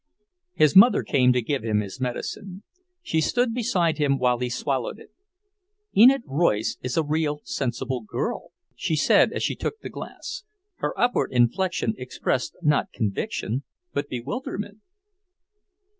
His mother came to give him his medicine. She stood beside him while he swallowed it. "Enid Royce is a real sensible girl " she said as she took the glass. Her upward inflection expressed not conviction but bewilderment.